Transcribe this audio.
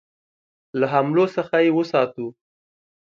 له حملو څخه یې وساتو.